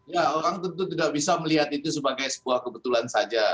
ya orang tentu tidak bisa melihat itu sebagai sebuah kebetulan saja